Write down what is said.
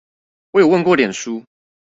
我有問過臉書